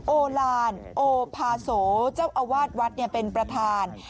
โอลานโอภาโสเจ้าอาวาสวัดเป็นประธาน